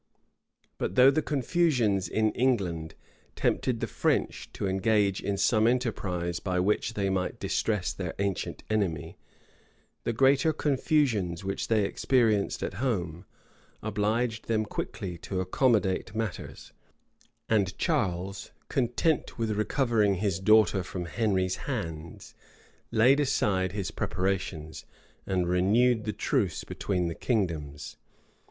But though the confusions in England tempted the French to engage in some enterprise by which they might distress their ancient enemy, the greater confusions which they experienced at home, obliged them quickly to accommodate matters; and Charles, content with recovering his daughter from Henry's hands, laid aside his preparations, and renewed the truce between the kingdoms.